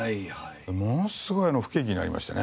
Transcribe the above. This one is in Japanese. ものすごい不景気になりましてね。